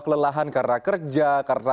kelelahan karena kerja karena